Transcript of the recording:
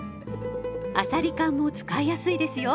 あさり缶も使いやすいですよ。